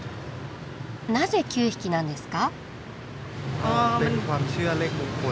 なぜ９匹なんですか？